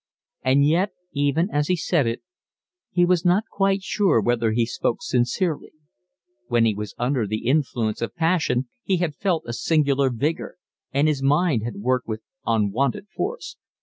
And yet even as he said it he was not quite sure whether he spoke sincerely. When he was under the influence of passion he had felt a singular vigour, and his mind had worked with unwonted force.